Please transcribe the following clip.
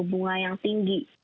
suku bunga yang tinggi